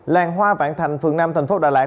làng hoa vạn thành phường năm tp đà lạt